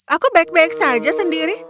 aku baik baik saja sendiri